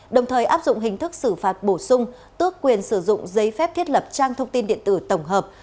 đồng thời áp dụng hình thức xử phạt bổ sung tước quyền sử dụng giấy phép thiết lập trang thông tin điện tử tổng hợp